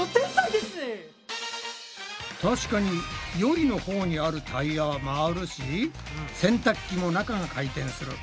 確かに「よい」のほうにあるタイヤは回るし洗たく機も中が回転する。